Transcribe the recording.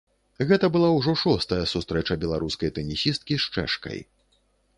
Гэта была ўжо шостая сустрэча беларускай тэнісісткі з чэшкай.